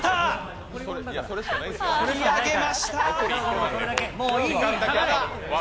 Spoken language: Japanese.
引き上げました。